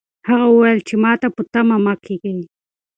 هغه وویل چې ماته په تمه مه کېږئ.